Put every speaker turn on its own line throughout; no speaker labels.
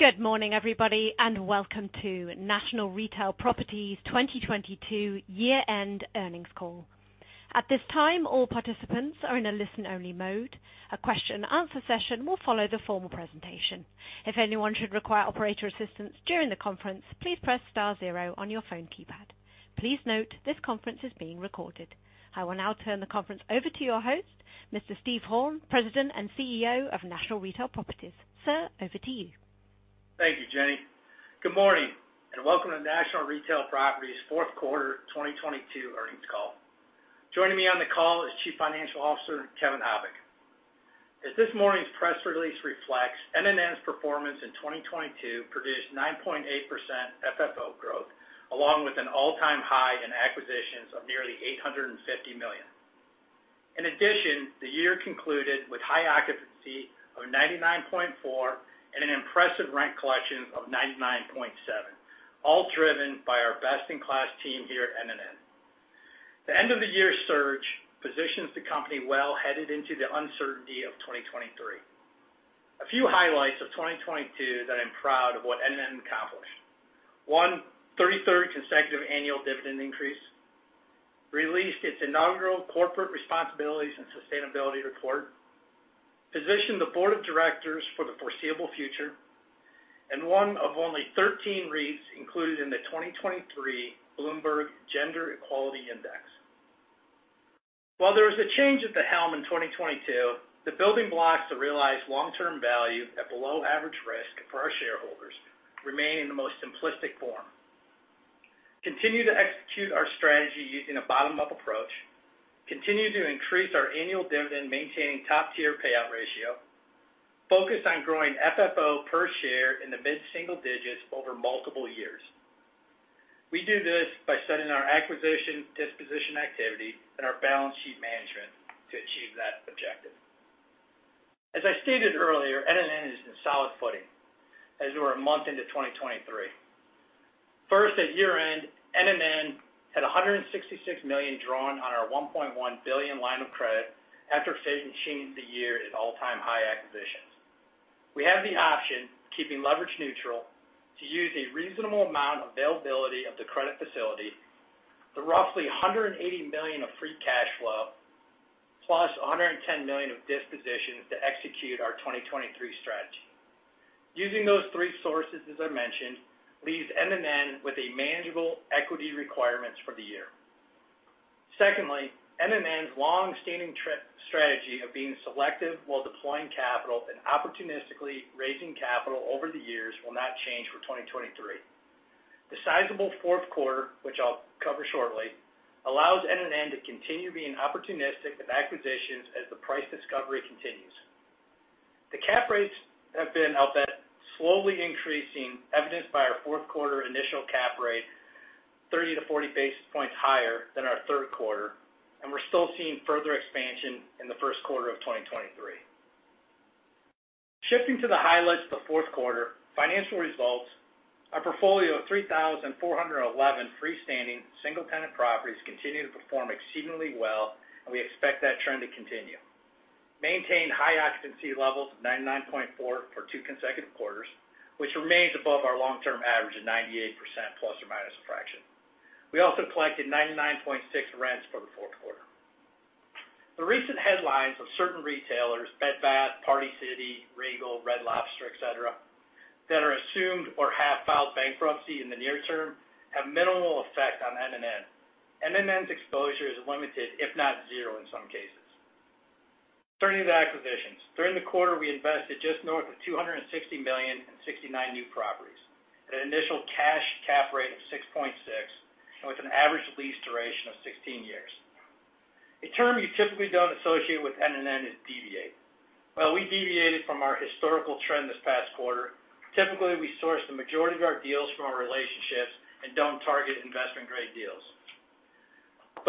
Good morning, everybody, and welcome to National Retail Properties 2022 Year-End Earnings Call. At this time, all participants are in a listen-only mode. A question answer session will follow the formal presentation. If anyone should require operator assistance during the conference, please press star zero on your phone keypad. Please note this conference is being recorded. I will now turn the conference over to your host, Mr. Steve Horn, President and CEO of National Retail Properties. Sir, over to you.
Thank you, Jenny. Good morning, welcome to National Retail Properties Fourth Quarter 2022 Earnings Call. Joining me on the call is Chief Financial Officer Kevin Habicht. As this morning's press release reflects, NNN's performance in 2022 produced 9.8% FFO growth, along with an all-time high in acquisitions of nearly $850 million. The year concluded with high occupancy of 99.4% and an impressive rent collection of 99.7%, all driven by our best-in-class team here at NNN. The end of the year surge positions the company well headed into the uncertainty of 2023. A few highlights of 2022 that I'm proud of what NNN accomplished. One, three third consecutive annual dividend increase. Released its inaugural corporate responsibilities and sustainability report. Position the board of directors for the foreseeable future. One of only 13 REITs included in the 2023 Bloomberg Gender Equality Index. While there was a change at the helm in 2022, the building blocks to realize long-term value at below average risk for our shareholders remain in the most simplistic form. Continue to execute our strategy using a bottom-up approach. Continue to increase our annual dividend, maintaining top-tier payout ratio. Focus on growing FFO per share in the mid-single digits over multiple years. We do this by setting our acquisition disposition activity and our balance sheet management to achieve that objective. As I stated earlier, NNN is in solid footing as we're a month into 2023. First, at year-end, NNN had $166 million drawn on our $1.1 billion line of credit after facing change the year at all-time high acquisitions. We have the option, keeping leverage neutral, to use a reasonable amount of availability of the credit facility, the roughly $180 million of free cash flow, plus $110 million of dispositions to execute our 2023 strategy. Using those three sources, as I mentioned, leaves NNN with a manageable equity requirements for the year. Secondly, NNN's long-standing strategy of being selective while deploying capital and opportunistically raising capital over the years will not change for 2023. The sizable fourth quarter, which I'll cover shortly, allows NNN to continue being opportunistic with acquisitions as the price discovery continues. The cap rates have been out that slowly increasing, evidenced by our fourth quarter initial cap rate 30 to 40 basis points higher than our third quarter, and we're still seeing further expansion in the first quarter of 2023. Shifting to the highlights of the fourth quarter financial results, our portfolio of 3,411 freestanding single-tenant properties continued to perform exceedingly well, and we expect that trend to continue. Maintained high occupancy levels of 99.4 for two consecutive quarters, which remains above our long-term average of 98% ± a fraction. We also collected 99.6 rents for the fourth quarter. The recent headlines of certain retailers, Bed Bath, Party City, Regal, Red Lobster, et cetera, that are assumed or have filed bankruptcy in the near term have minimal effect on NNN. NNN's exposure is limited, if not zero in some cases. Turning to acquisitions. During the quarter, we invested just north of $260 million in 69 new properties at an initial cash cap rate of 6.6 and with an average lease duration of 16 years. A term you typically don't associate with NNN is deviate. Well, we deviated from our historical trend this past quarter. Typically, we source the majority of our deals from our relationships and don't target investment grade deals.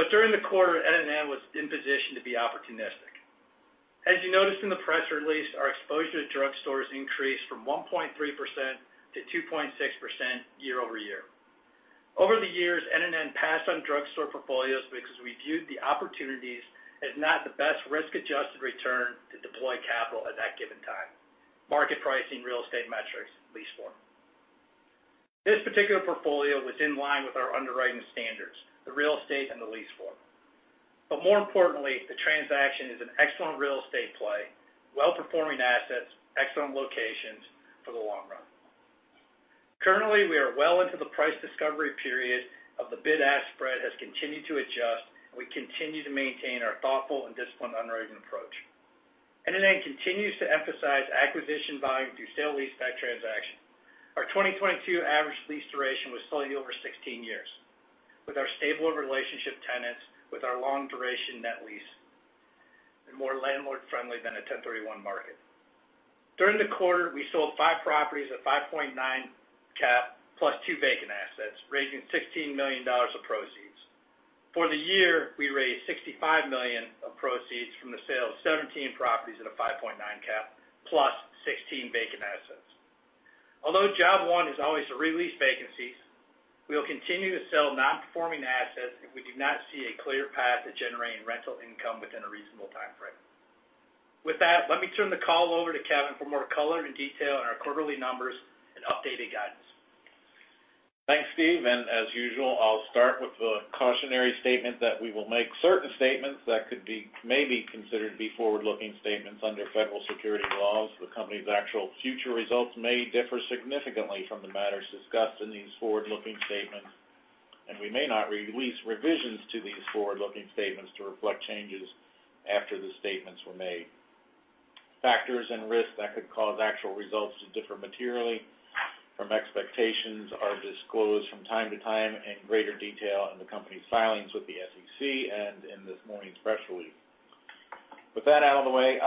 During the quarter, NNN was in position to be opportunistic. As you noticed in the press release, our exposure to drugstores increased from 1.3% to 2.6% year-over-year. Over the years, NNN passed on drugstore portfolios because we viewed the opportunities as not the best risk-adjusted return to deploy capital at that given time. Market pricing real estate metrics lease form. This particular portfolio was in line with our underwriting standards, the real estate and the lease form. More importantly, the transaction is an excellent real estate play, well-performing assets, excellent locations for the long run. Currently, we are well into the price discovery period of the bid-ask spread has continued to adjust, and we continue to maintain our thoughtful and disciplined underwriting approach. NNN continues to emphasize acquisition buying through sale leaseback transaction. Our 2022 average lease duration was slightly over 16 years with our stable relationship tenants, with our long duration net lease and more landlord-friendly than a 1031 market. During the quarter, we sold five properties at 5.9 cap plus two vacant assets, raising $16 million of proceeds. For the year, we raised $65 million of proceeds from the sale of 17 properties at a 5.9 cap plus 16 vacant assets. Although job one is always to re-lease vacancies. We will continue to sell non-performing assets if we do not see a clear path to generating rental income within a reasonable time frame. With that, let me turn the call over to Kevin for more color and detail on our quarterly numbers and updated guidance.
Thanks, Steve. As usual, I'll start with the cautionary statement that we will make certain statements that may be considered to be forward-looking statements under federal security laws. The company's actual future results may differ significantly from the matters discussed in these forward-looking statements. We may not release revisions to these forward-looking statements to reflect changes after the statements were made. Factors and risks that could cause actual results to differ materially from expectations are disclosed from time to time in greater detail in the company's filings with the SEC and in this morning's press release. With that out of the way,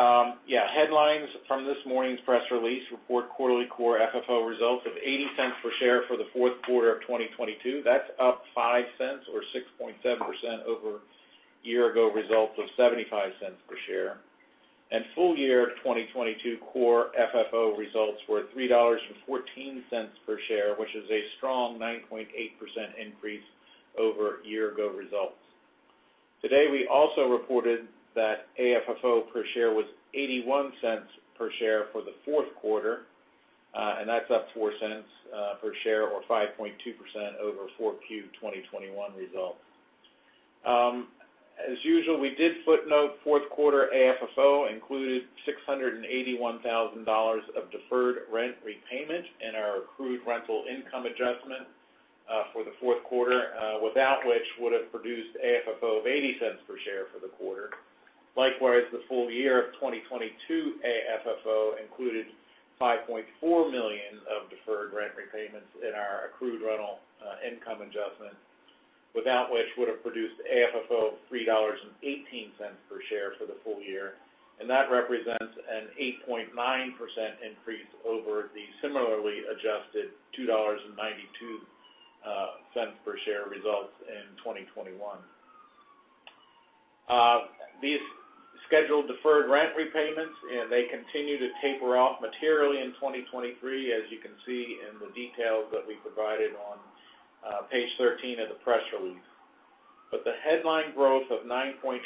yeah, headlines from this morning's press release report quarterly core FFO results of $0.80 per share for the fourth quarter of 2022. That's up $0.05 or 6.7% over year-ago results of $0.75 per share. Full year of 2022 core FFO results were $3.14 per share, which is a strong 9.8% increase over year-ago results. Today, we also reported that AFFO per share was $0.81 per share for the fourth quarter, and that's up $0.04 per share or 5.2% over 4Q 2021 results. As usual, we did footnote fourth quarter AFFO included $681,000 of deferred rent repayment in our accrued rental income adjustment for the fourth quarter, without which would have produced AFFO of $0.80 per share for the quarter. Likewise, the full year of 2022 AFFO included $5.4 million of deferred rent repayments in our accrued rental income adjustment, without which would have produced AFFO of $3.18 per share for the full year. That represents an 8.9% increase over the similarly adjusted $2.92 cents per share results in 2021. These scheduled deferred rent repayments, and they continue to taper off materially in 2023, as you can see in the details that we provided on page 13 of the press release. The headline growth of 9.8%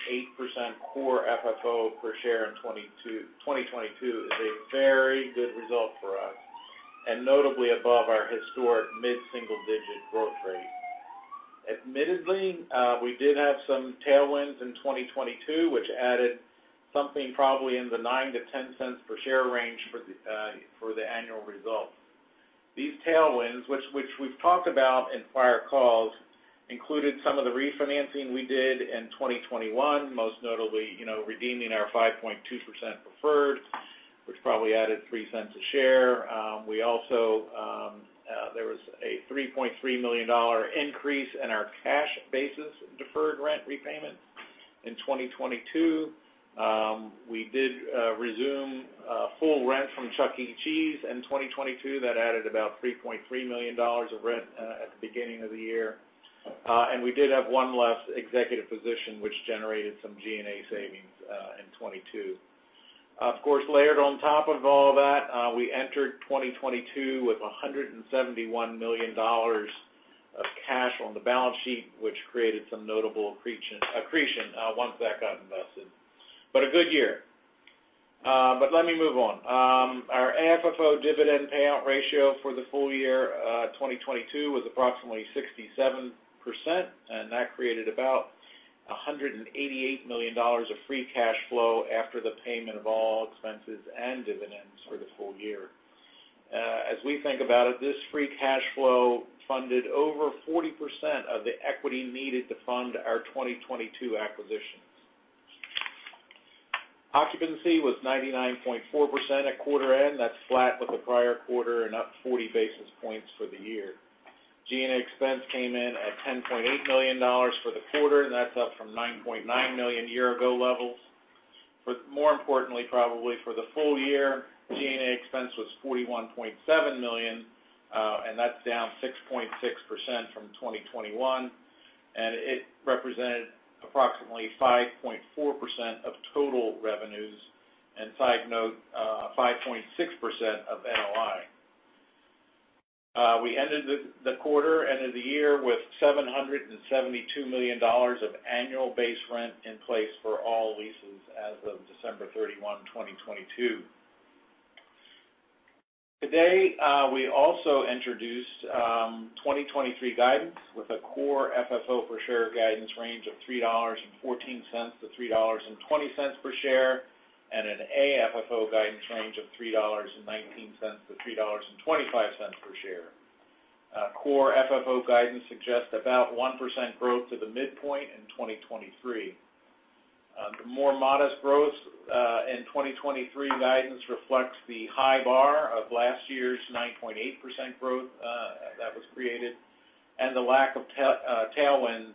core FFO per share in 2022 is a very good result for us, and notably above our historic mid-single-digit growth rate. Admittedly, we did have some tailwinds in 2022, which added something probably in the $0.09-$0.10 per share range for the annual results. These tailwinds, which we've talked about in prior calls, included some of the refinancing we did in 2021, most notably, you know, redeeming our 5.2% preferred, which probably added $0.03 a share. We also, there was a $3.3 million increase in our cash basis deferred rent repayment in 2022. We did resume full rent from Chuck E. Cheese in 2022. That added about $3.3 million of rent at the beginning of the year. We did have 1 less executive position, which generated some G&A savings in 2022. Of course, layered on top of all that, we entered 2022 with $171 million of cash on the balance sheet, which created some notable accretion once that got invested. A good year. Let me move on. Our AFFO dividend payout ratio for the full year 2022 was approximately 67%, that created about $188 million of free cash flow after the payment of all expenses and dividends for the full year. As we think about it, this free cash flow funded over 40% of the equity needed to fund our 2022 acquisitions. Occupancy was 99.4% at quarter end. That's flat with the prior quarter and up 40 basis points for the year. G&A expense came in at $10.8 million for the quarter. That's up from $9.9 million year-ago levels. More importantly, probably for the full year, G&A expense was $41.7 million. That's down 6.6% from 2021. It represented approximately 5.4% of total revenues, side note, 5.6% of NOI. We ended the quarter and in the year with $772 million of annual base rent in place for all leases as of December 21, 2022. Today, we also introduced, 2023 guidance with a core FFO per share guidance range of $3.14 to $3.20 per share, and an AFFO guidance range of $3.19 to $3.25 per share. Core FFO guidance suggests about 1% growth to the midpoint in 2023. The more modest growth in 2023 guidance reflects the high bar of last year's 9.8% growth that was created, and the lack of tailwinds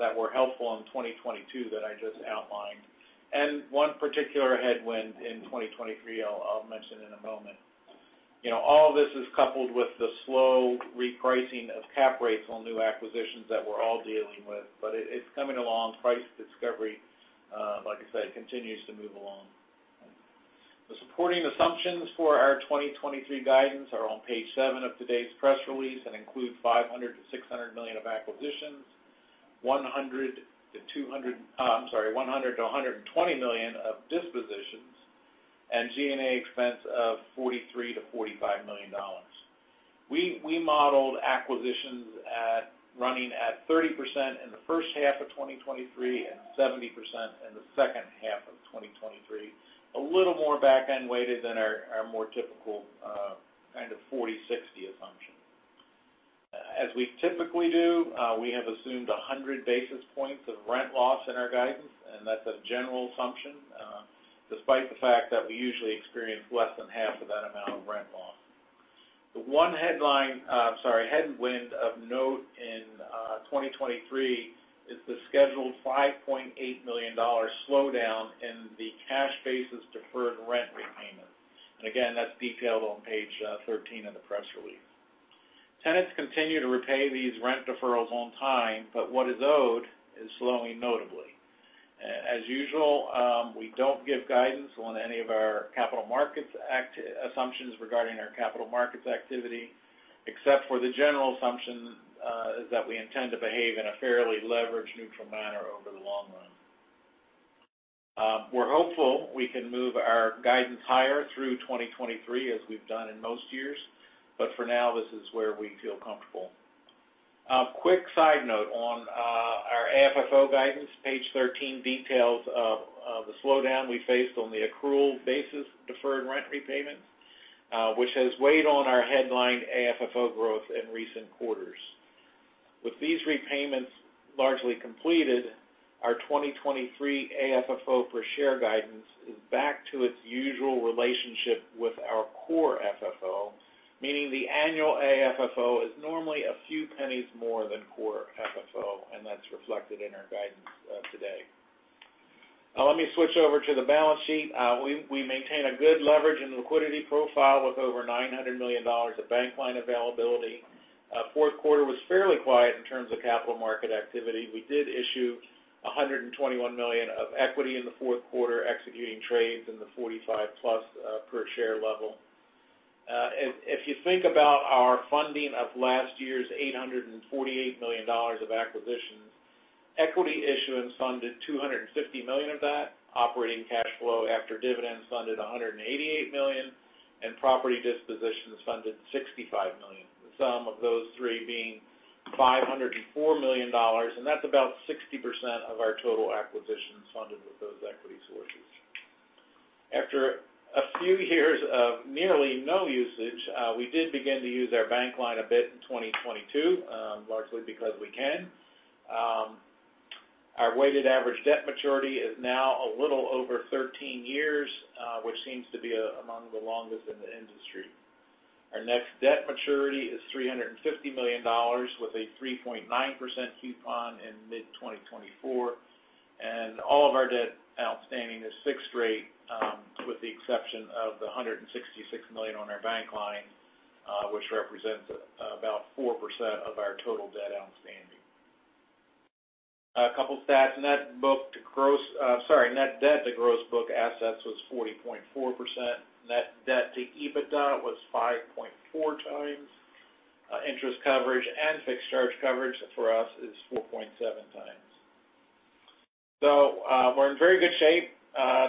that were helpful in 2022 that I just outlined, and one particular headwind in 2023 I'll mention in a moment. You know, all this is coupled with the slow repricing of cap rates on new acquisitions that we're all dealing with, but it's coming along. Price discovery, like I said, continues to move along. Supporting assumptions for our 2023 guidance are on page seven of today's press release and include $500 million-$600 million of acquisitions, I'm sorry, $100 million-$120 million of dispositions, and G&A expense of $43 million-$45 million. We modeled acquisitions at running at 30% in the first half of 2023 and 70% in the second half of 2023. A little more back-end weighted than our more typical, kind of 40-60 assumption. As we typically do, we have assumed 100 basis points of rent loss in our guidance, and that's a general assumption, despite the fact that we usually experience less than half of that amount of rent loss. The one I'm sorry, headwind of note in 2023 is the scheduled $5.8 million slowdown in the cash basis deferred rent repayment. Again, that's detailed on page 13 of the press release. Tenants continue to repay these rent deferrals on time, but what is owed is slowing notably. As usual, we don't give guidance on any of our capital markets assumptions regarding our capital markets activity, except for the general assumption, is that we intend to behave in a fairly leverage neutral manner over the long run. We're hopeful we can move our guidance higher through 2023 as we've done in most years, but for now this is where we feel comfortable. A quick side note on our AFFO guidance. Page 13 details of the slowdown we faced on the accrual basis deferred rent repayment, which has weighed on our headline AFFO growth in recent quarters. With these repayments largely completed, our 2023 AFFO per share guidance is back to its usual relationship with our core FFO, meaning the annual AFFO is normally a few pennies more than core FFO, and that's reflected in our guidance today. Let me switch over to the balance sheet. We maintain a good leverage and liquidity profile with over $900 million of bank line availability. Fourth quarter was fairly quiet in terms of capital market activity. We did issue $121 million of equity in the fourth quarter, executing trades in the $45+ per share level. If you think about our funding of last year's $848 million of acquisitions, equity issuance funded $250 million of that, operating cash flow after dividends funded $188 million, and property dispositions funded $65 million. The sum of those three being $504 million, that's about 60% of our total acquisitions funded with those equity sources. After a few years of nearly no usage, we did begin to use our bank line a bit in 2022, largely because we can. Our weighted average debt maturity is now a little over 13 years, which seems to be among the longest in the industry. Our next debt maturity is $350 million with a 3.9% coupon in mid-2024, and all of our debt outstanding is fixed rate, with the exception of the $166 million on our bank line, which represents about 4% of our total debt outstanding. A couple stats. Sorry, net debt to gross book assets was 40.4%. Net debt to EBITDA was 5.4 times. Interest coverage and fixed charge coverage for us is 4.7 times. We're in very good shape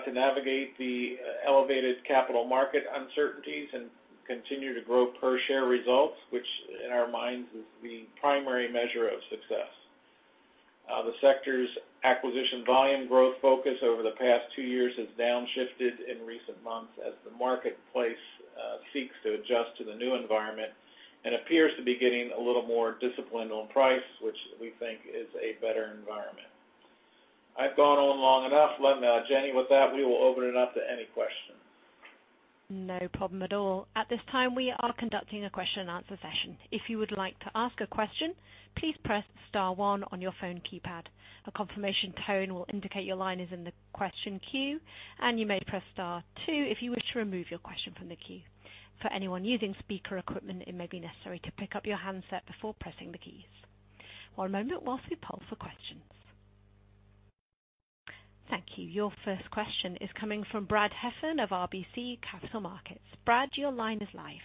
to navigate the elevated capital market uncertainties and continue to grow per share results, which in our minds is the primary measure of success. The sector's acquisition volume growth focus over the past two years has downshifted in recent months as the marketplace seeks to adjust to the new environment and appears to be getting a little more disciplined on price, which we think is a better environment. I've gone on long enough. Let, Jenny, with that, we will open it up to any question.
No problem at all. At this time, we are conducting a question and answer session. If you would like to ask a question, please press star one on your phone keypad. A confirmation tone will indicate your line is in the question queue, and you may press star two if you wish to remove your question from the queue. For anyone using speaker equipment, it may be necessary to pick up your handset before pressing the keys. One moment whilst we poll for questions. Thank you. Your first question is coming from Brad Heffern of RBC Capital Markets. Brad, your line is live.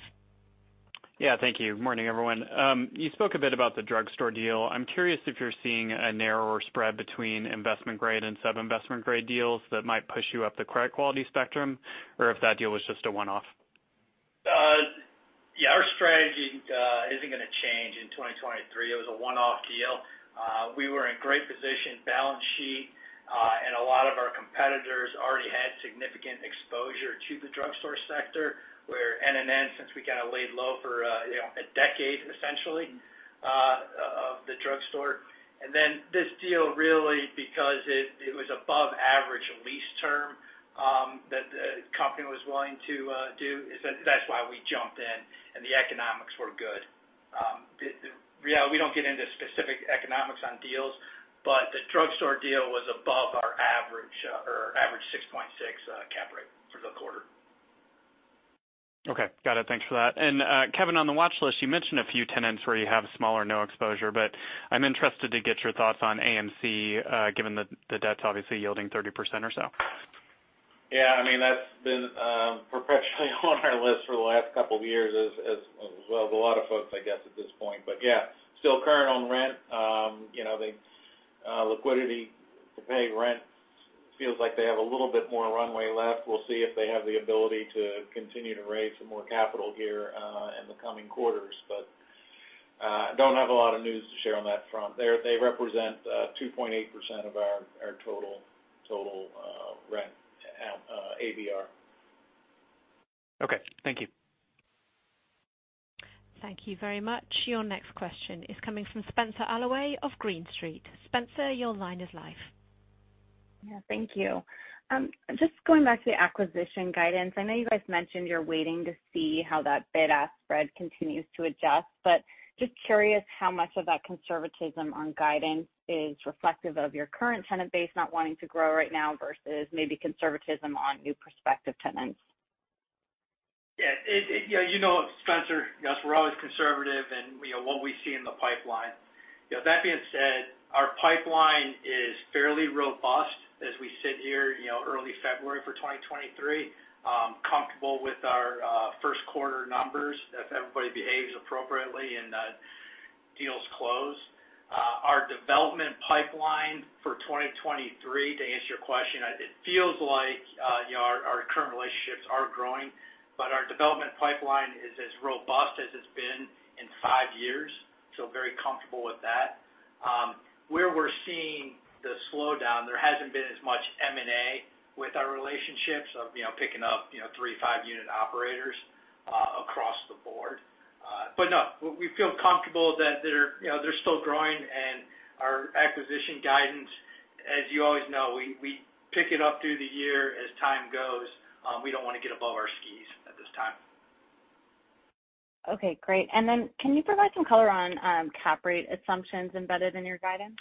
Yeah. Thank you. Morning, everyone. You spoke a bit about the drugstore deal. I'm curious if you're seeing a narrower spread between investment grade and sub-investment grade deals that might push you up the credit quality spectrum, or if that deal was just a one-off.
Yeah, our strategy isn't gonna change in 2023. It was a one-off deal. We were in great position, balance sheet, and a lot of our competitors already had significant exposure to the drugstore sector, where NNN, since we kinda laid low for, you know, a decade essentially, of the drugstore. This deal really because it was above average lease term that the company was willing to do is that's why we jumped in, and the economics were good. Yeah, we don't get into specific economics on deals, the drugstore deal was above our average, or average 6.6 cap rate for the quarter.
Okay. Got it. Thanks for that. Kevin, on the watch list, you mentioned a few tenants where you have small or no exposure, but I'm interested to get your thoughts on AMC, given the debt's obviously yielding 30% or so.
Yeah, I mean, that's been perpetually on our list for the last couple of years as Well, a lot of folks, I guess, at this point. Yeah, still current on rent. You know, they liquidity to pay rent, feels like they have a little bit more runway left. We'll see if they have the ability to continue to raise some more capital here in the coming quarters. Don't have a lot of news to share on that front. They represent 2.8% of our total rent at ABR.
Okay. Thank you.
Thank you very much. Your next question is coming from Spenser Allaway of Green Street. Spencer, your line is live.
Thank you. Just going back to the acquisition guidance. I know you guys mentioned you're waiting to see how that bid-ask spread continues to adjust, but just curious how much of that conservatism on guidance is reflective of your current tenant base not wanting to grow right now versus maybe conservatism on new prospective tenants?
Yeah, you know, Spencer, yes, we're always conservative in, you know, what we see in the pipeline. You know, that being said, our pipeline is fairly robust as we sit here, you know, early February for 2023. Comfortable with our first quarter numbers, if everybody behaves appropriately and deals close. Our development pipeline for 2023, to answer your question, it feels like, you know, our current relationships are growing, but our development pipeline is as robust as it's been in five years, so very comfortable with that. Where we're seeing the slowdown, there hasn't been as much M&A with our relationships of picking up three to five unit operators across the board. No, we feel comfortable that they're still growing and our acquisition guidance, as you always know, we pick it up through the year as time goes. We don't wanna get above our skis at this time.
Okay, great. Then can you provide some color on cap rate assumptions embedded in your guidance?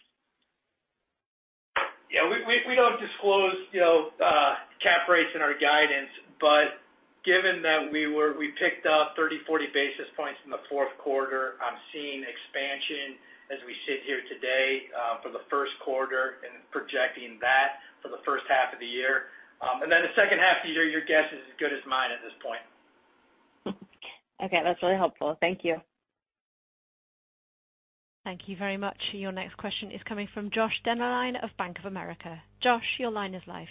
Yeah. We don't disclose, you know, cap rates in our guidance. Given that we picked up 30, 40 basis points in the fourth quarter, I'm seeing expansion as we sit here today for the first quarter and projecting that for the first half of the year. The second half of the year, your guess is as good as mine at this point.
Okay. That's really helpful. Thank you.
Thank you very much. Your next question is coming from Joshua Dennerlein of Bank of America. Josh, your line is live.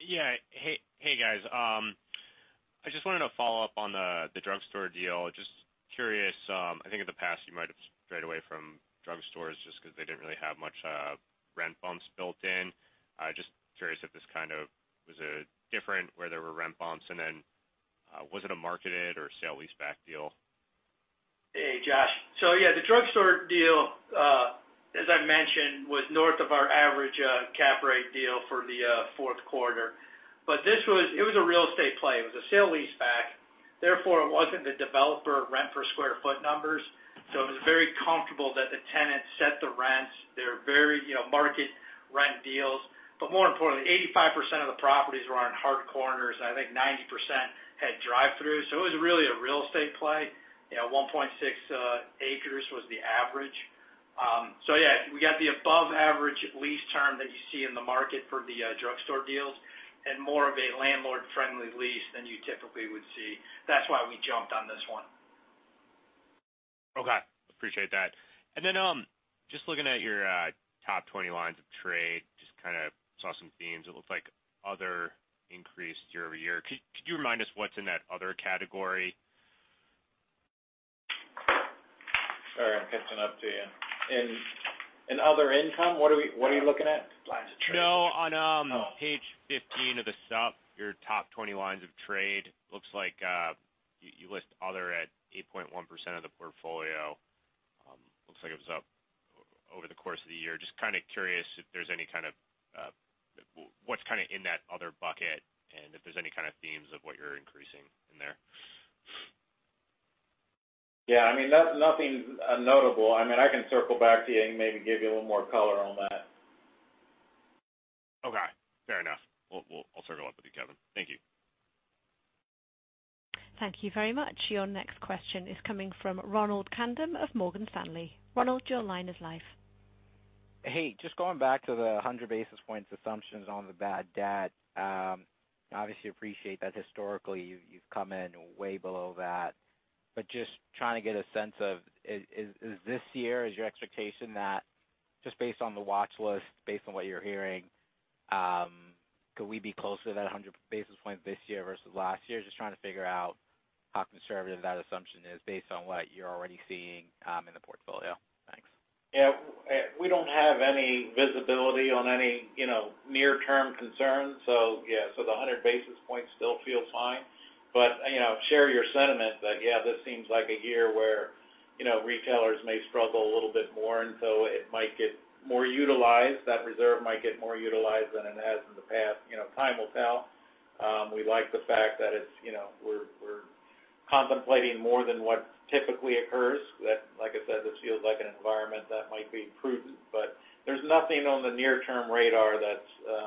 Hey, hey, guys. I just wanted to follow up on the drugstore deal. Just curious. I think in the past you might have strayed away from drugstores just 'cause they didn't really have much rent bumps built in. Just curious if this kind of was different where there were rent bumps, was it a marketed or sale leaseback deal?
Hey, Josh. Yeah, the drugstore deal, as I mentioned, was north of our average cap rate deal for the fourth quarter. It was a real estate play. It was a sale leaseback, therefore, it wasn't the developer rent per square foot numbers. It was very comfortable that the tenants set the rents. They're very, you know, market rent deals. More importantly, 85% of the properties were on hard corners. I think 90% had drive-throughs, it was really a real estate play. You know, 1.6 acres was the average. Yeah, we got the above average lease term that you see in the market for the drugstore deals, and more of a landlord-friendly lease than you typically would see. That's why we jumped on this one.
Okay. Appreciate that. Then, just looking at your, top 20 lines of trade, just kinda saw some themes. It looks like other increased year-over-year. Could you remind us what's in that other category?
Sorry, I'm catching up to you. In other income, what are you looking at?
No. On page 15 of the sup, your top 20 lines of trade. Looks like you list other at 8.1% of the portfolio. Looks like it was up over the course of the year. Just kinda curious what's kinda in that other bucket, and if there's any kind of themes of what you're increasing in there.
Yeah, I mean, nothing notable. I mean, I can circle back to you and maybe give you a little more color on that.
Okay. Fair enough. I'll circle up with you, Kevin. Thank you.
Thank you very much. Your next question is coming from Ronald Kamdem of Morgan Stanley. Ronald, your line is live.
Hey, just going back to the 100 basis points assumptions on the bad debt. Obviously appreciate that historically you've come in way below that. Just trying to get a sense of is this year is your expectation that just based on the watch list, based on what you're hearing, could we be closer to that 100 basis points this year versus last year? Just trying to figure out how conservative that assumption is based on what you're already seeing in the portfolio. Thanks.
We don't have any visibility on any, you know, near term concerns. The 100 basis points still feels fine. You know, share your sentiment that this seems like a year where retailers may struggle a little bit more, and so it might get more utilized. That reserve might get more utilized than it has in the past. You know, time will tell. We like the fact that we're contemplating more than what typically occurs. Like I said, this feels like an environment that might be prudent, but there's nothing on the near-term radar that's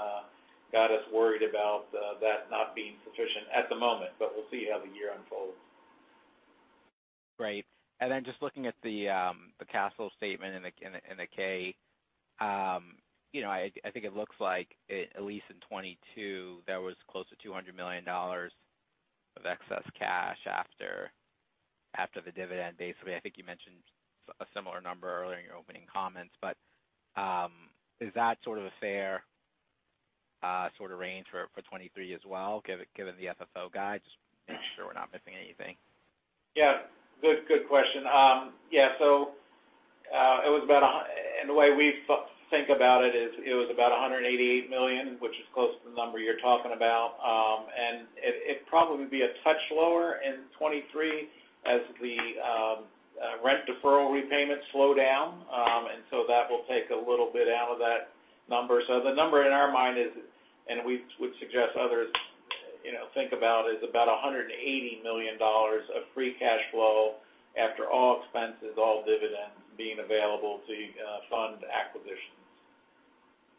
got us worried about that not being sufficient at the moment, but we'll see how the year unfolds.
Right. Then just looking at the cash flow statement in the K. You know, I think it looks like at least in 2022, there was close to $200 million of excess cash after the dividend, basically. I think you mentioned a similar number earlier in your opening comments. Is that sort of a fair, sort of range for 2023 as well, given the FFO guide? Just make sure we're not missing anything.
Yeah. Good question. Yeah, and the way we think about it is, it was about $188 million, which is close to the number you're talking about. It'd probably be a touch lower in 2023 as the rent deferral repayments slow down. That will take a little bit out of that number. The number in our mind is, and we would suggest others, you know, think about, is about $180 million of free cash flow after all expenses, all dividends being available to fund acquisitions.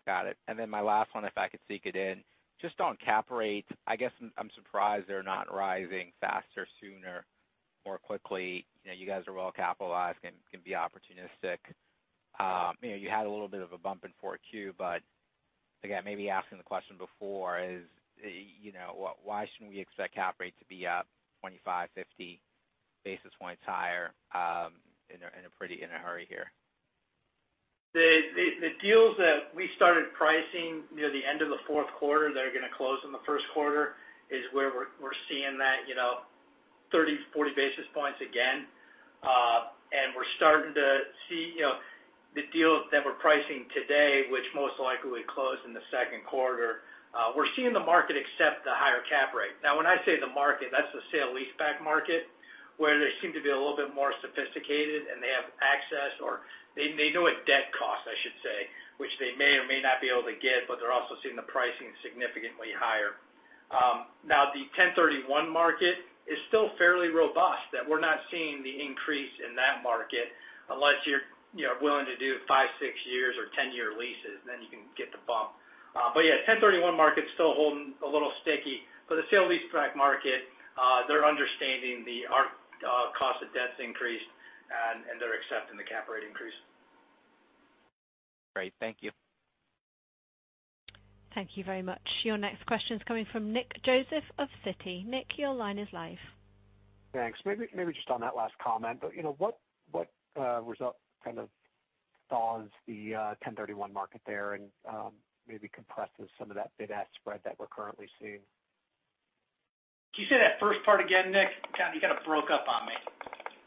Got it. My last one, if I could sneak it in. Just on cap rates, I guess I'm surprised they're not rising faster, sooner, more quickly. You know, you guys are well capitalized, can be opportunistic. You know, you had a little bit of a bump in Q4, again, maybe asking the question before is, you know, why shouldn't we expect cap rate to be up 25, 50 basis points higher, in a hurry here?
The deals that we started pricing near the end of the fourth quarter that are gonna close in the first quarter is where we're seeing that, you know, 30 to 40 basis points again. We're starting to see, you know, the deals that we're pricing today, which most likely would close in the second quarter. We're seeing the market accept the higher cap rate. Now, when I say the market, that's the sale leaseback market, where they seem to be a little bit more sophisticated, and they have access, or they know a debt cost, I should say, which they may or may not be able to get, but they're also seeing the pricing significantly higher. Now the 1031 market is still fairly robust, that we're not seeing the increase in that market unless you're, you know, willing to do five, six years or 10-year leases, then you can get the bump. Yeah, 1031 market's still holding a little sticky. For the sale leaseback market, they're understanding our cost of debt's increased and they're accepting the cap rate increase.
Great. Thank you.
Thank you very much. Your next question is coming from Nick Joseph of Citi. Nick, your line is live.
Thanks. Maybe just on that last comment, but, you know, what result kind of thaws the 1031 market there and maybe compresses some of that bid-ask spread that we're currently seeing?
Can you say that first part again, Nick? You kind of broke up on me.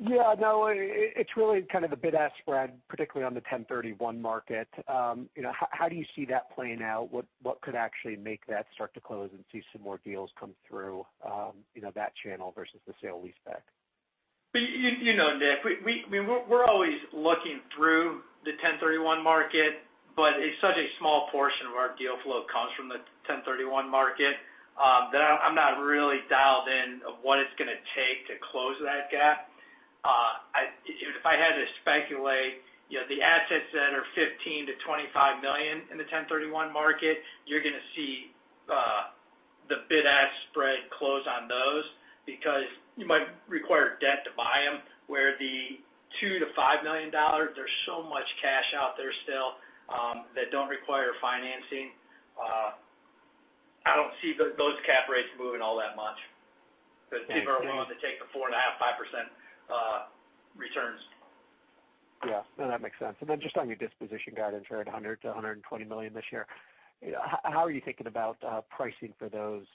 Yeah, no, it's really kind of the bid-ask spread, particularly on the 1031 market. you know, how do you see that playing out? What could actually make that start to close and see some more deals come through, you know, that channel versus the sale leaseback?
You know, Nick, I mean, we're always looking through the 1031 market, it's such a small portion of our deal flow comes from the 1031 market, that I'm not really dialed in of what it's gonna take to close that gap. If I had to speculate, you know, the assets that are $15 million-$25 million in the 1031 market, you're gonna see the bid-ask spread close on those because you might require debt to buy them, where the $2 million-$5 million, there's so much cash out there still that don't require financing. I don't see those cap rates moving all that much because people are willing to take the 4.5%, 5% returns.
Yeah. No, that makes sense. Then just on your disposition guidance here at $100 million-$120 million this year, you know, how are you thinking about pricing for those,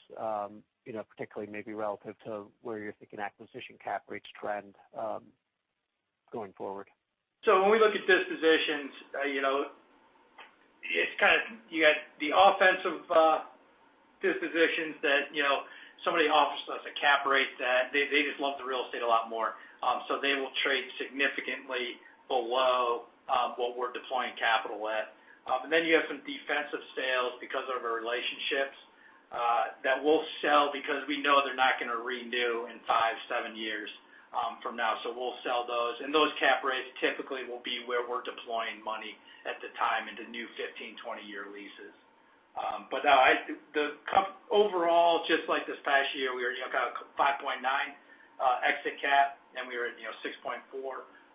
you know, particularly maybe relative to where you're thinking acquisition cap rates trend going forward?
When we look at dispositions, you know, it's kind of you got the offensive dispositions that, you know, somebody offers us a cap rate that they just love the real estate a lot more. They will trade significantly below what we're deploying capital at. Then you have some defensive sales because of our relationships that we'll sell because we know they're not gonna renew in five, seven years from now. We'll sell those. Those cap rates typically will be where we're deploying money at the time into new 15, 20-year leases. No, the comp overall, just like this past year, we are kind of 5.9% exit cap, and we are at, you know, 6.4%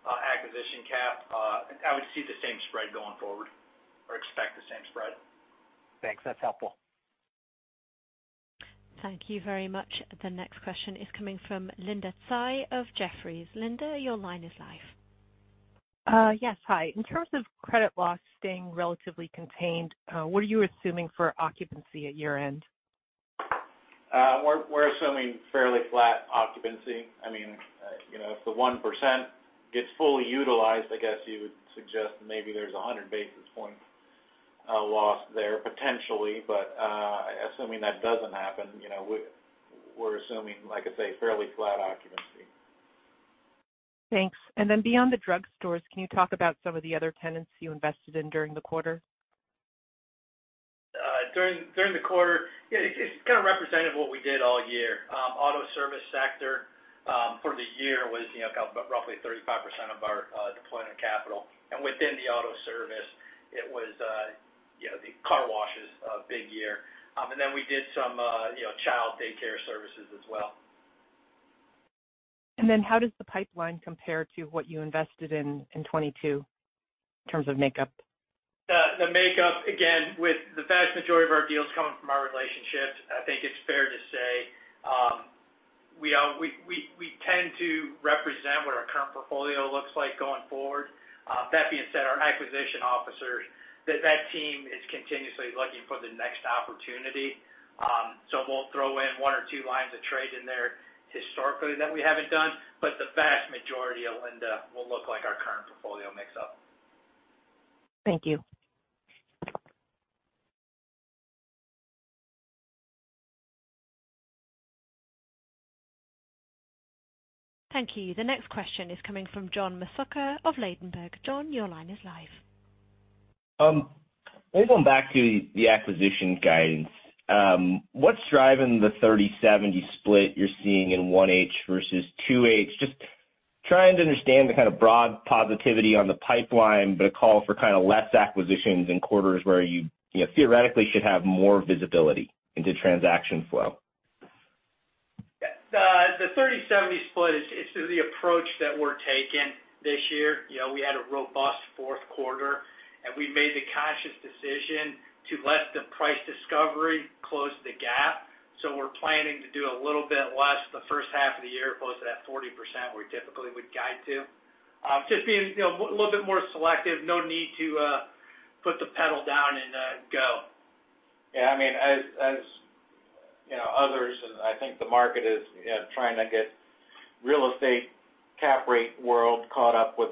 acquisition cap. I would see the same spread going forward or expect the same spread.
Thanks. That's helpful.
Thank you very much. The next question is coming from Linda Tsai of Jefferies. Linda, your line is live.
Yes. Hi. In terms of credit loss staying relatively contained, what are you assuming for occupancy at year-end?
We're assuming fairly flat occupancy. I mean, you know, if the 1% gets fully utilized, I guess you would suggest maybe there's a 100 basis point loss there potentially. Assuming that doesn't happen, you know, we're assuming, like I say, fairly flat occupancy.
Thanks. Then beyond the drugstores, can you talk about some of the other tenants you invested in during the quarter?
During the quarter. Yeah, it's kinda representative of what we did all year. Auto service sector for the year was kind of roughly 35% of our deployment of capital. Within the auto service, it was, you know, the car wash is a big year. Then we did some, you know, child daycare services as well.
How does the pipeline compare to what you invested in 2022 in terms of makeup?
The makeup, again, with the vast majority of our deals coming from our relationships, I think it's fair to say, we tend to represent what our current portfolio looks like going forward. That being said, our acquisition officers, that team is continuously looking for the next opportunity. We'll throw in one or two lines of trade in there historically that we haven't done, but the vast majority, Linda, will look like our current portfolio mix up.
Thank you.
Thank you. The next question is coming from John Massocca of Ladenburg. John, your line is live.
Maybe going back to the acquisition guidance. What's driving the 30/70 split you're seeing in 1H versus 2H? Just trying to understand the kind of broad positivity on the pipeline, a call for kinda less acquisitions in quarters where you theoretically should have more visibility into transaction flow.
Yeah. The 30/70 split is the approach that we're taking this year. You know, we had a robust fourth quarter, and we made the conscious decision to let the price discovery close the gap. We're planning to do a little bit less the first half of the year as opposed to that 40% we typically would guide to. Just being, you know, a little bit more selective. No need to put the pedal down and go.
Yeah, I mean, as, you know, others, and I think the market is, you know, trying to get real estate cap rate world caught up with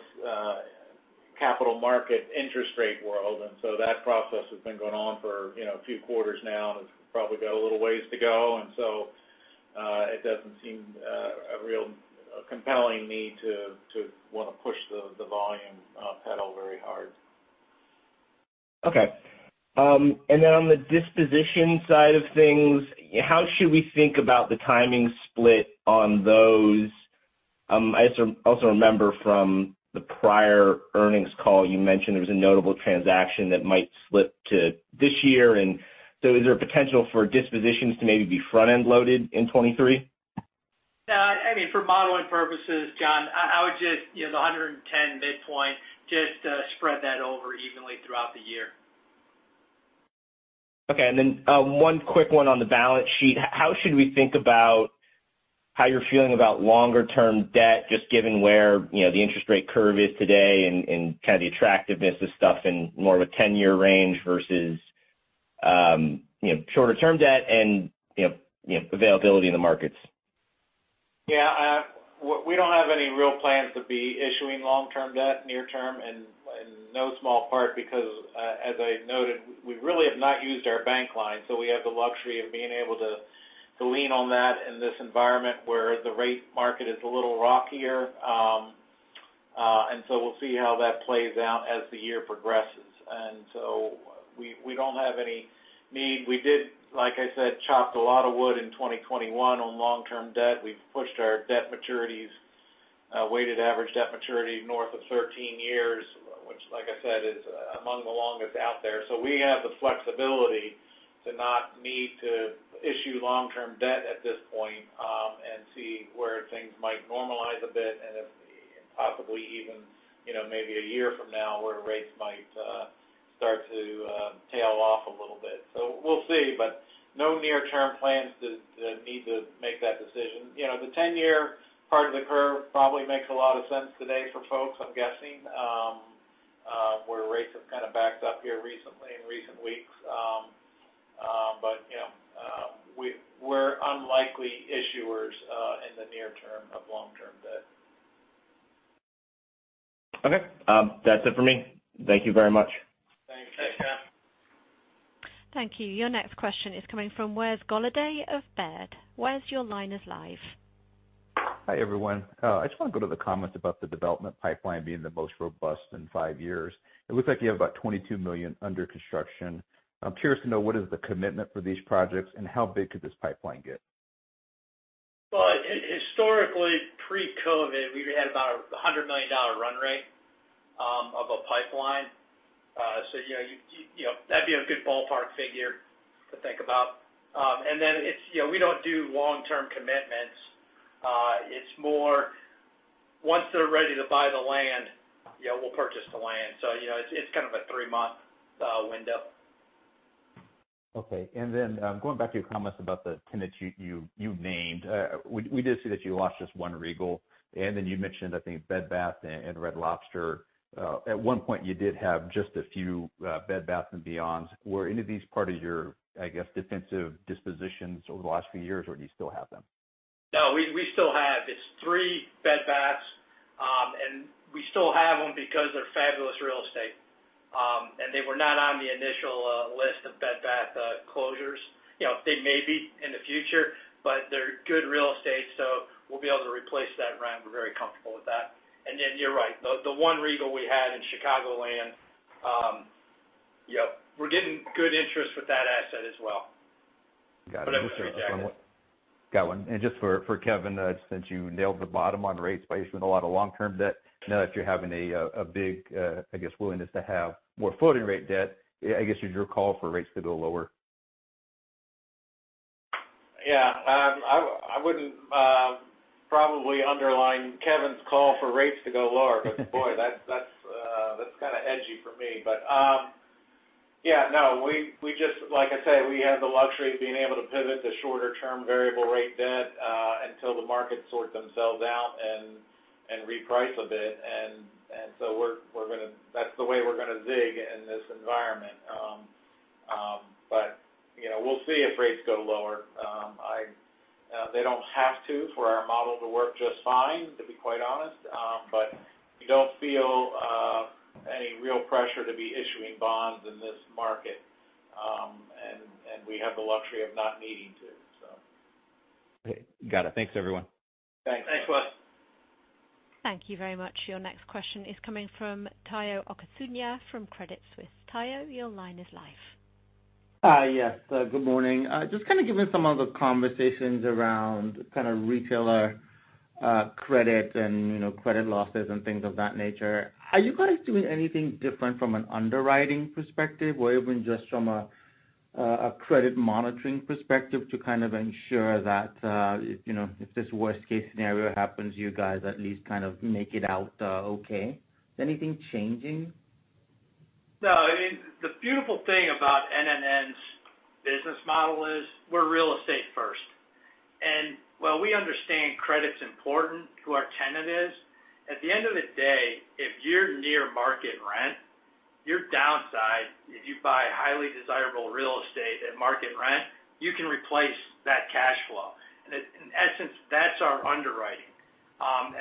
capital market interest rate world. That process has been going on for, you know, a few quarters now, and it's probably got a little ways to go. It doesn't seem a real compelling need to wanna push the volume pedal very hard.
Okay. On the disposition side of things, how should we think about the timing split on those? I also remember from the prior earnings call, you mentioned there was a notable transaction that might slip to this year. Is there a potential for dispositions to maybe be front-end loaded in 2023?
No. I mean, for modeling purposes, John, I would just, you know, the $110 midpoint, just spread that over evenly throughout the year.
Okay. Then, one quick one on the balance sheet. How should we think about how you're feeling about longer term debt, just given where, you know, the interest rate curve is today and kind of the attractiveness of stuff in more of a 10-year range versus, you know, shorter term debt and availability in the markets?
Yeah. We don't have any real plans to be issuing long-term debt near term, in no small part because, as I noted, we really have not used our bank line. We have the luxury of being able to lean on that in this environment where the rate market is a little rockier. We'll see how that plays out as the year progresses. We don't have any need. We did, like I said, chopped a lot of wood in 2021 on long-term debt. We've pushed our debt maturities, weighted average debt maturity north of 13 years, which like I said, is among the longest out there. We have the flexibility to not need to issue long-term debt at this point, and see where things might normalize a bit and if possibly even, you know, maybe a year from now where rates might start to tail off a little bit. We'll see, but no near-term plans to need to make that decision. You know, the 10-year part of the curve probably makes a lot of sense today for folks, I'm guessing, where rates have kind of backed up here recently in recent weeks. You know, we're unlikely issuers, in the near term of long-term debt.
Okay. That's it for me. Thank you very much.
Thanks.
Thanks, John.
Thank you. Your next question is coming from Wes Golladay of Baird. Wes, your line is live.
Hi, everyone. I just wanna go to the comments about the development pipeline being the most robust in five years. It looks like you have about $22 million under construction. I'm curious to know what is the commitment for these projects and how big could this pipeline get?
Well, historically, pre-COVID, we've had about a $100 million run rate of a pipeline. You know, that'd be a good ballpark figure to think about. You know, we don't do long-term commitments. It's more once they're ready to buy the land, you know, we'll purchase the land. You know, it's kind of a three-month window.
Okay. Going back to your comments about the tenants you named. We did see that you lost just one Regal, and then you mentioned, I think Bed Bath & Red Lobster. At one point, you did have just a few Bed Bath & Beyonds. Were any of these part of your, I guess, defensive dispositions over the last few years, or do you still have them?
No, we still have. It's three Bed Baths, and we still have them because they're fabulous real estate. They were not on the initial list of Bed Bath closures. You know, they may be in the future, but they're good real estate, so we'll be able to replace that rent. We're very comfortable with that. You're right. The one Regal we had in Chicago land, yep, we're getting good interest with that asset as well.
Got it. Got one. Just for Kevin, since you nailed the bottom on rates by issuing a lot of long-term debt, now that you're having a big, I guess, willingness to have more floating rate debt, I guess your call for rates to go lower.
Yeah. I wouldn't probably underline Kevin's call for rates to go lower. 'Cause boy, that's kind of edgy for me. Yeah, no, like I say, we have the luxury of being able to pivot to shorter term variable rate debt until the market sorts themselves out and reprice a bit. That's the way we're gonna zig in this environment. You know, we'll see if rates go lower. They don't have to for our model to work just fine, to be quite honest. We don't feel any real pressure to be issuing bonds in this market. We have the luxury of not needing to, so.
Okay. Got it. Thanks, everyone.
Thanks. Thanks, Wes.
Thank you very much. Your next question is coming from Tayo Okusanya from Credit Suisse. Tayo, your line is live.
Yes. Good morning. Just kinda given some of the conversations around kind of retailer credit and, you know, credit losses and things of that nature, are you guys doing anything different from an underwriting perspective or even just from a credit monitoring perspective to kind of ensure that, if, you know, if this worst case scenario happens, you guys at least kind of make it out okay? Anything changing?
No. I mean, the beautiful thing about NNN's business model is we're real estate first. While we understand credit's important, who our tenant is, at the end of the day, if you're near market rent, your downside, if you buy highly desirable real estate at market rent, you can replace that cash flow. In essence, that's our underwriting.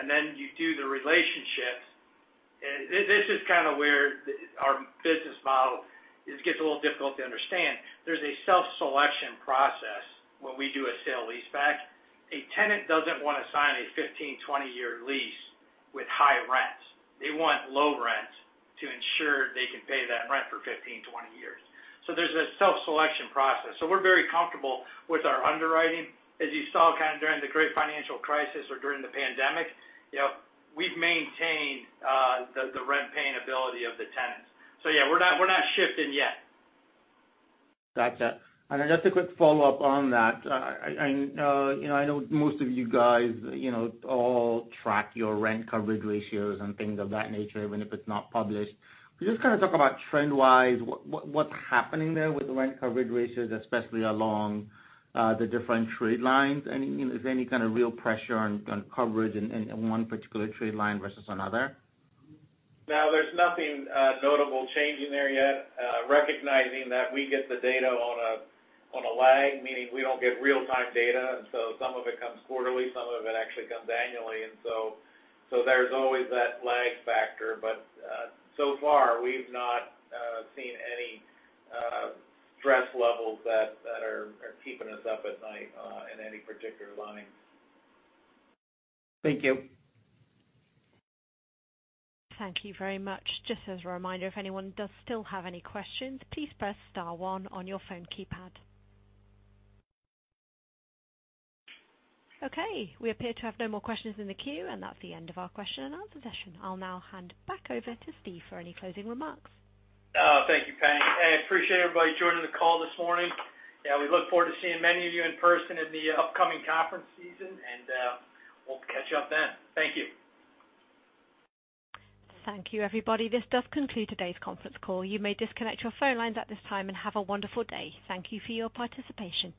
Then you do the relationships. This is kinda where the, our business model, it gets a little difficult to understand. There's a self-selection process when we do a sale-leaseback. A tenant doesn't wanna sign a 15, 20-year lease with high rent. They want low rent to ensure they can pay that rent for 15, 20 years. There's a self-selection process. We're very comfortable with our underwriting. As you saw kind of during the Great Financial Crisis or during the pandemic, you know, we've maintained the rent paying ability of the tenants. Yeah, we're not, we're not shifting yet.
Gotcha. Then just a quick follow-up on that. I know most of you guys, you know, all track your rent coverage ratios and things of that nature, even if it's not published. Can you just kinda talk about trend-wise, what's happening there with rent coverage ratios, especially along the different trade lines? Any, you know, is there any kind of real pressure on coverage in one particular trade line versus another?
There's nothing notable changing there yet. Recognizing that we get the data on a lag, meaning we don't get real time data, and so some of it comes quarterly, some of it actually comes annually, so there's always that lag factor. So far we've not seen any stress levels that are keeping us up at night in any particular line.
Thank you.
Thank you very much. Just as a reminder, if anyone does still have any questions, please press star one on your phone keypad. Okay. We appear to have no more questions in the queue. That's the end of our question and answer session. I'll now hand back over to Steve for any closing remarks.
Thank you, Jenny. I appreciate everybody joining the call this morning. We look forward to seeing many of you in person in the upcoming conference season. We'll catch up then. Thank you.
Thank you, everybody. This does conclude today's conference call. You may disconnect your phone lines at this time, and have a wonderful day. Thank you for your participation.